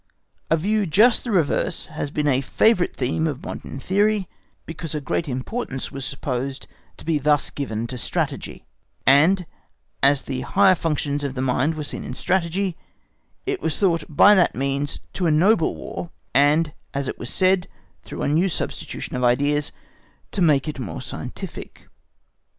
A view just the reverse has been a favourite theme of modern theory, because a greater importance was supposed to be thus given to Strategy, and, as the higher functions of the mind were seen in Strategy, it was thought by that means to ennoble War, and, as it was said—through a new substitution of ideas—to make it more scientific.